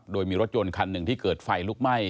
โดยมีรถยนต์คันหนึ่งที่เกิดไฟลุกไหม้